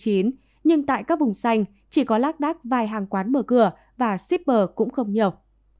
nhưng tại các vùng xanh chỉ có lát đát vài hàng quán mở cửa và shipper cũng không nhiều